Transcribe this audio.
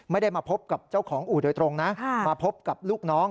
ไม่ได้มาพบกับเจ้าของอู่โดยตรงนะมาพบกับลูกน้อง